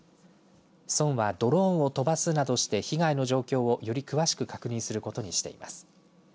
村はドローンを飛ばすなどして被害の状況をより詳しく確認することにしています。